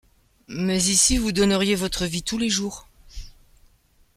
Mais ici vous donneriez votre vie tous les jours !